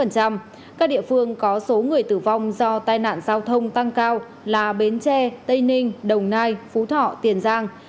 các địa phương có số người tử vong do tai nạn giao thông tăng cao là bến tre tây ninh đồng nai phú thọ tiền giang